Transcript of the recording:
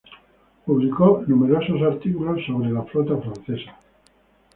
Publicó numerosos artículos sobre la flora francesa.